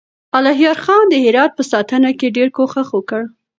الهيار خان د هرات په ساتنه کې ډېر کوښښ وکړ.